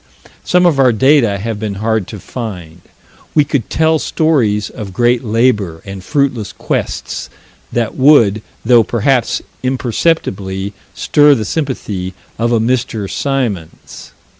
Some of our data have been hard to find. We could tell stories of great labor and fruitless quests that would, though perhaps imperceptibly, stir the sympathy of a Mr. Symons.